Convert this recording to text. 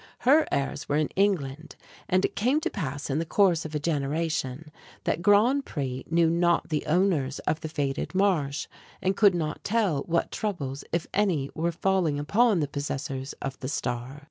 Her heirs were in England, and it came to pass, in the course of a generation, that Grand Pré knew not the owners of the fated Marsh, and could not tell what troubles, if any, were falling upon the possessors of "The Star."